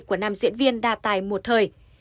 của năm diễn viên đa tài một thời